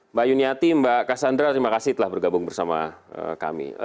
mbak yuniati mbak kassandra terima kasih telah bergabung bersama kami